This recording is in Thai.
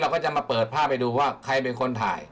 ก็จะพาไปดูว่าใครเป็นคนถ่าย